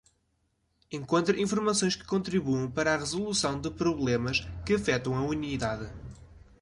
Encontre informações que contribuam para a resolução de problemas que afetam a unidade.